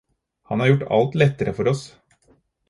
Han har gjort alt lettere for oss.